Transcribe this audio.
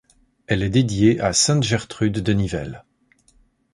Elle est dédiée à sainte Gertrude de Nivelles.